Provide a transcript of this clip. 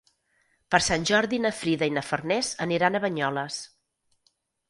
Per Sant Jordi na Frida i na Farners aniran a Banyoles.